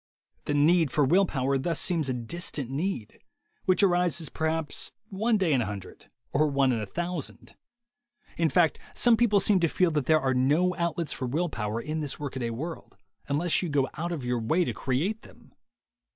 The need for will power thus seems a distant need, which arises perhaps one day in a hundred. or one in a thousand. In fact, some people seem THE WAY TO WILL POWER 131 to feel that there are no outlets for will power in this workaday world, unless you go out of your way to create them.